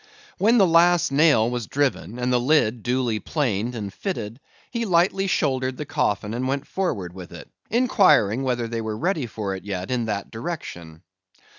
When the last nail was driven, and the lid duly planed and fitted, he lightly shouldered the coffin and went forward with it, inquiring whether they were ready for it yet in that direction.